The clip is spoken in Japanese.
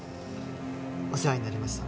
お世話になりました